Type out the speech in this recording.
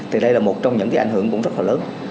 thì đây là một trong những cái ảnh hưởng cũng rất là lớn